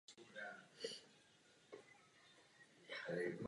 Hlavním a také největším městem regionu je městská občina Koper.